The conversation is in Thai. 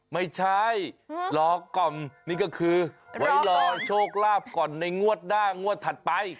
ไม่ใช่รอกล่อมนี่ก็คือไว้รอโชคลาภก่อนในงวดหน้างวดถัดไป